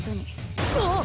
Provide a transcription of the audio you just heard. あっ！